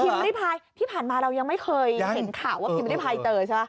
ริพายที่ผ่านมาเรายังไม่เคยเห็นข่าวว่าพิมพ์ริพายเจอใช่ไหม